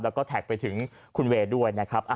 แล้วก็แท็กไปถึงคุณเวย์ด้วยนะครับ